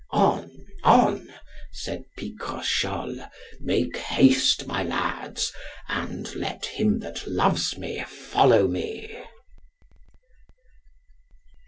On, on, said Picrochole, make haste, my lads, and let him that loves me follow me.